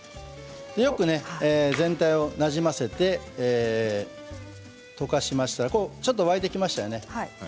よく全体をなじませて溶かしましたらちょっと沸いてきましたよね。